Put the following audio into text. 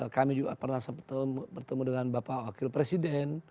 kami juga pernah bertemu dengan bapak wakil presiden